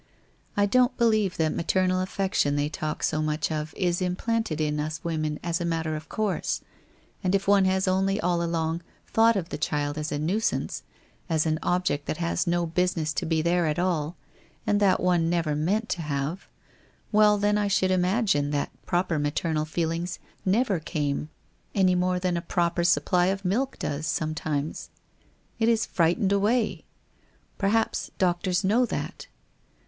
I don't believe that maternal affection they talk so much of, is implanted in us women as a matter of course, and if one has only all along, thought of the child as a nuisance, as an object that has no business to be there at all, and that one never meant to have — well, then I should imagine that proper maternal feelings never came any more than a proper supply of milk does, sometimes. It is frightened away. Perhaps doctors know that?